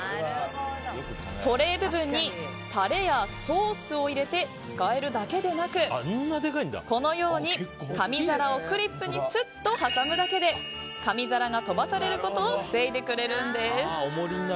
トレー部分に、タレやソースを入れて使えるだけでなくこのように、紙皿をクリップにスッと挟むだけで紙皿が飛ばされることを防いでくれるんです。